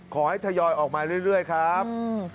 ขอให้ทยอยออกมาเรื่อยครับ